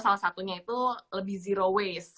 salah satunya itu lebih zero waste